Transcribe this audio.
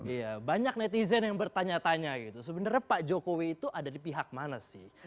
iya banyak netizen yang bertanya tanya gitu sebenarnya pak jokowi itu ada di pihak mana sih